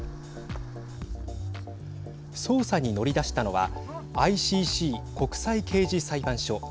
捜査に乗り出したのはＩＣＣ＝国際刑事裁判所。